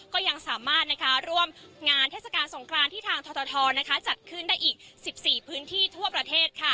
ก็ยังสามารถร่วมงานเทศกาลสงครานที่ทางททจัดขึ้นได้อีก๑๔พื้นที่ทั่วประเทศ